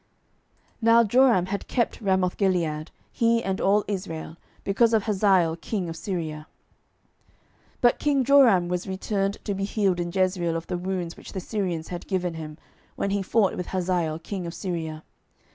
(Now Joram had kept Ramothgilead, he and all Israel, because of Hazael king of Syria. 12:009:015 But king Joram was returned to be healed in Jezreel of the wounds which the Syrians had given him, when he fought with Hazael king of Syria.)